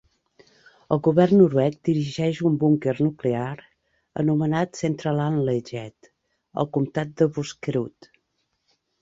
El govern noruec dirigeix un búnquer nuclear anomenat Sentralanlegget al comtat de Buskerud.